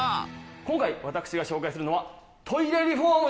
今回私が紹介するのはリフォーム。